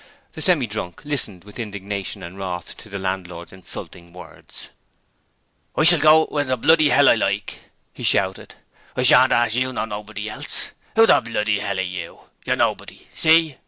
The Semi drunk listened with indignation and wrath to the landlord's insulting words. 'I shall go when the bloody 'ell I like!' he shouted. 'I shan't ask you nor nobody else! Who the bloody 'ell are you? You're nobody! See?